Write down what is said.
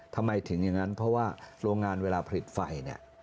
ทำไมถึงอย่างนั้นเพราะว่าโรงงานเวลาผลิตไฟเนี่ย